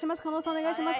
お願いします